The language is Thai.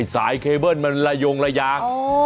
สายเคเบิ้ลมันละยงระยาง